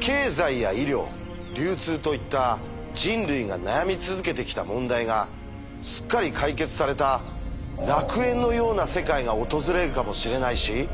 経済や医療流通といった人類が悩み続けてきた問題がすっかり解決された楽園のような世界が訪れるかもしれないし